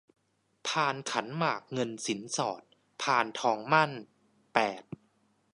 พานขันหมากเงินสินสอด พานทองหมั้น แปด